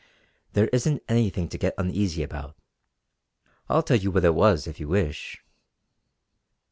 "There isn't anything to get uneasy about. I'll tell you what it was if you wish."